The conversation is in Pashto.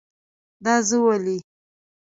دا زه ولی؟